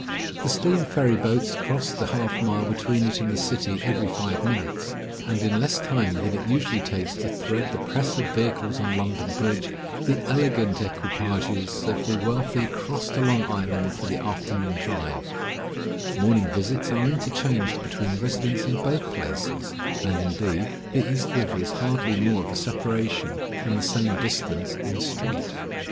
The steam ferry boats cross the half mile between it and the city every five minutes; and in less time than it usually takes to thread the press of vehicles on London Bridge, the elegant equipages of the wealthy cross to Long Island for the afternoon drive; morning visits are interchanged between the residents in both places—and, indeed, the east river is hardly more of a separation than the same distance in a street.